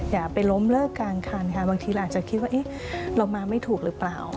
อย่าไปล้มเลิกกลางคันค่ะบางทีเราอาจจะคิดว่าเรามาไม่ถูกหรือเปล่า